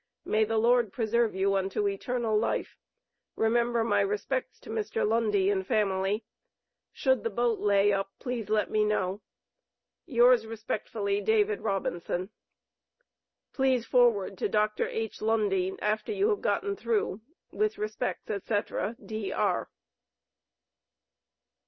May the Lord preserve you unto eternal life. Remember my respects to Mr. Lundy and family. Should the boat lay up please let me know. Yours respectfully, DAVID ROBINSON. Please forward to Dr. H. Lundy, after you have gotten through. With respects, &c. D.R.